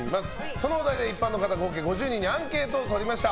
そのお題で一般の方合計５０人にアンケートをとりました。